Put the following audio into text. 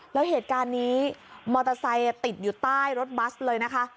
แล้วเหตุการณ์นี้มอเตอร์ไซค์ติดอยู่ใต้รถบัสเลยนะคะ